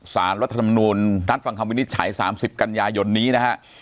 สารรัฐธรรมนูลนัดฟังคำวินิจฉัย๓๐กันยายนนี้นะฮะ